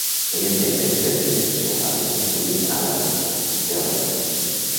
Eren membres de l'Església Episcopal de Sant Felip a Laurel, Delaware.